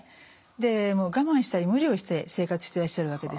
で我慢したり無理をして生活してらっしゃるわけです。